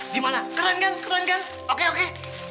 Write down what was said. gimana keren kan keren kan oke oke